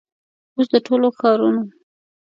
او س د ټولو ښارونو